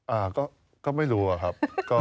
อ่าก็ไม่รู้อะครับ